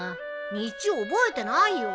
道覚えてないよ。